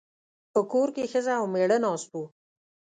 په کور کې ښځه او مېړه ناست وو.